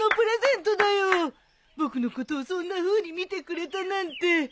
僕のことをそんなふうに見てくれたなんて。